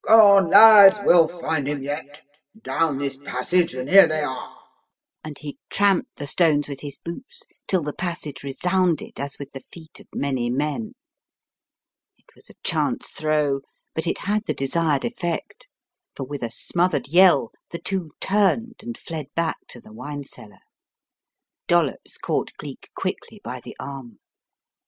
"Come on, lads, we'll find him yet! Down this passage, and here they are." And he tramped the stones with his boots till the passage resounded as with the feet of many men. It was a chance throw, but it had the desired effect, for with a smothered yell the two turned and fled back to the wine cellar. Dollops caught Cleek quickly by the arm.